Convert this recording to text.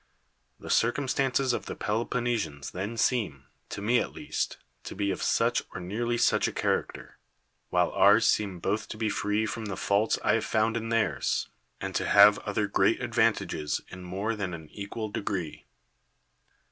The circumstances of the Peloponnesians then seem, to me at least, to be of such or nearly such a character ; while ours seem both to be free from the faults I have found in theirs, and to have other great advantages in more than an equal degree.